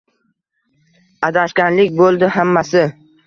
Adashganlik bo’ldi hammasi